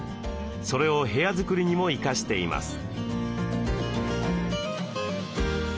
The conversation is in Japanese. それを部屋作りにも生かしています。